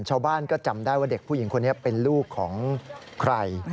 ชาวบ้านก็จำได้ว่าเด็กผู้หญิงคนนี้เป็นลูกของใคร